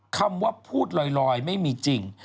คำว่าพูดลอยไม่มีจริง